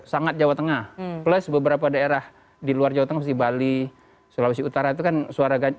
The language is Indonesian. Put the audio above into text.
sangat jawa tengah plus beberapa daerah di luar jawa tengah mesti bali sulawesi utara itu kan suara ganjar